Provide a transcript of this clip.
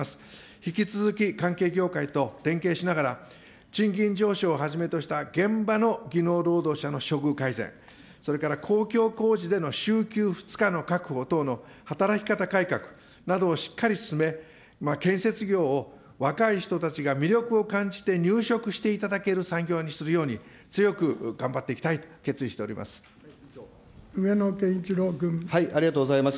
引き続き関係業界と連携しながら、賃金上昇をはじめとした現場の技能労働者の処遇改善、それから公共工事での週休２日の確保等の働き方改革などをしっかり進め、建設業を若い人たちが魅力を感じて入職していただける産業にするように、強く頑張っていきたいと決意しております。